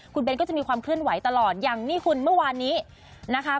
คุณเบ้นก็จะมีความเคลื่อนไหวตลอดอย่างนี้คุณเมื่อวานนี้นะคะ